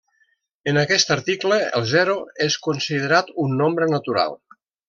En aquest article, el zero és considerat un nombre natural.